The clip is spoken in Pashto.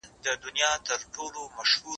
زه به سبا د سبا لپاره د يادښتونه ترتيب کړم..